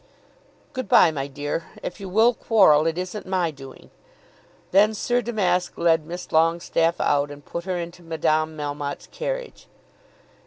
"Good bye, my dear. If you will quarrel, it isn't my doing." Then Sir Damask led Miss Longestaffe out, and put her into Madame Melmotte's carriage.